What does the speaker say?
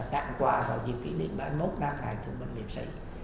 tặng quà vào dịp kỷ niệm bảy mươi một năm ngày thương binh liệt sĩ